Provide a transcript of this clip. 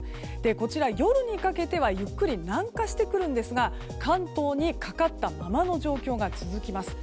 こちら、夜にかけてはゆっくり南下してくるんですが関東にかかったままの状況が続きます。